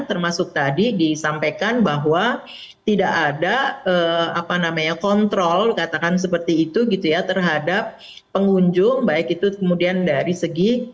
termasuk tadi disampaikan bahwa tidak ada apa namanya kontrol katakan seperti itu gitu ya terhadap pengunjung baik itu kemudian dari segi